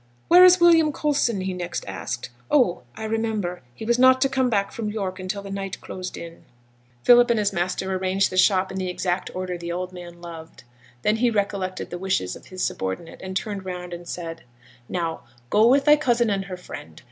'Where is William Coulson?' he next asked. 'Oh! I remember. He was not to come back from York till the night closed in.' Philip and his master arranged the shop in the exact order the old man loved. Then he recollected the wish of his subordinate, and turned round and said 'Now go with thy cousin and her friend.